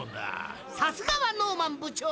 さすがはノーマン部長！